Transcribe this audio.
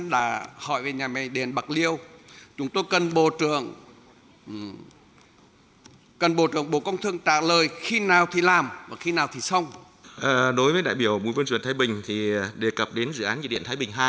đối với đại biểu bộ công thương thái bình thì đề cập đến dự án điện thái bình hai